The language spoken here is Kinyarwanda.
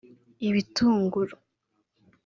Ibitunguru